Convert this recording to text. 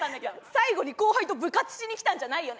最後に後輩と部活しに来たんじゃないよね。